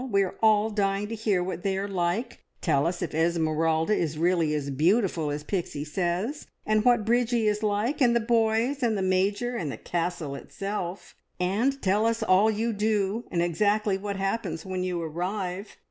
We are all dying to hear what they are like. Tell us if Esmeralda is really as beautiful as Pixie says, and what Bridgie is like, and the boys, and `the Major,' and the Castle itself. And tell us all you do, and exactly what happens when you arrive.